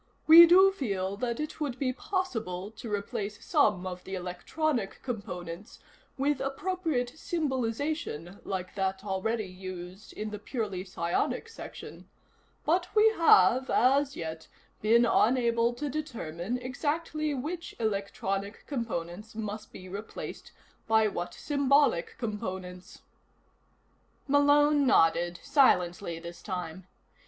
We do feel that it would be possible to replace some of the electronic components with appropriate symbolization like that already used in the purely psionic sections, but we have, as yet, been unable to determine exactly which electronic components must be replaced by what symbolic components." Malone nodded, silently this time.